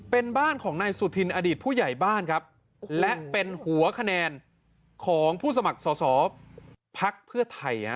เป็นบ้านของนายสุธินอดีตผู้ใหญ่บ้านครับและเป็นหัวคะแนนของผู้สมัครสอสอภักดิ์เพื่อไทย